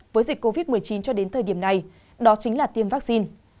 với dịch covid một mươi chín cho đến thời điểm này đó chính là tiêm vaccine